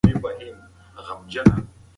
هغه په انګړ کې منډې وهلې.